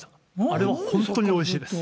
あれは本当においしいです。